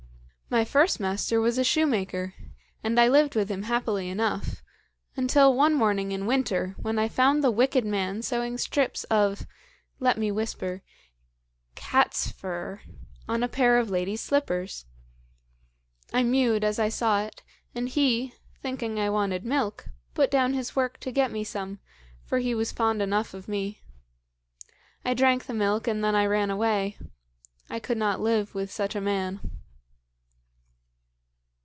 My first master was a shoemaker, and I lived with him happily enough, until one morning in winter, when I found the wicked man sewing strips of let me whisper cat's fur on a pair of lady's slippers! "I mewed as I saw it, and he, thinking I wanted milk, put down his work to get me some, for he was fond enough of me. I drank the milk, and then I ran away. I could not live with such a man.